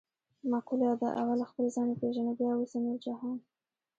مقوله ده: اول خپل ځان و پېژنه بیا ورسته نور جهان.